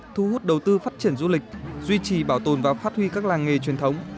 thu hút đầu tư phát triển du lịch duy trì bảo tồn và phát huy các làng nghề truyền thống